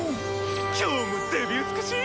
今日もデビ美しい！